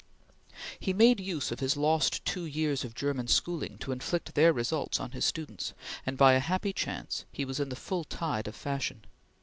He made use of his lost two years of German schooling to inflict their results on his students, and by a happy chance he was in the full tide of fashion.